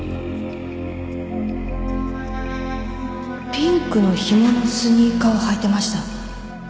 ピンクのひものスニーカー履いてました